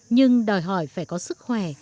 nhưng đòi hỏi phải có sức khỏe